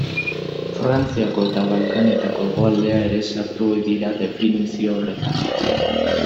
Frantziako eta Balkanetako hegoaldea ere sartu ohi dira definizio horretan.